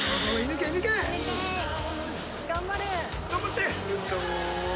頑張って！